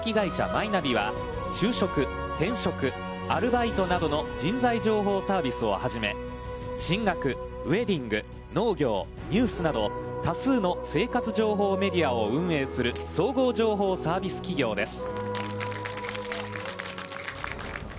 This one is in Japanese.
マイナビは、就職、転職、アルバイトなどの人材情報サービスを初め進学、ウエディング、農業、ニュースなどの多数の生活情報メディアを運営する総合情報サービス企業です。